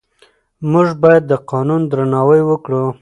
موږ باید د قانون درناوی وکړو.